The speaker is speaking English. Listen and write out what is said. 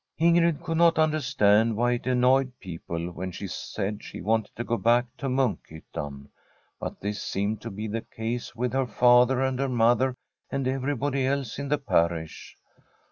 Ingrid could not understand why it annoyed people when she said she wanted to go back to Munkhyttan. But this seemed to be the case with her father and her mother and everybody else in the parish.